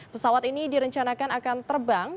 pesawat ini direncanakan akan terbang